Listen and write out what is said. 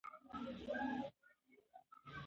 باید ټول ماشومان په کور کې پاتې شي.